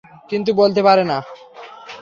কিন্তু বলতে পারে না।